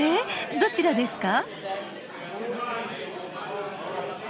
どちらですか？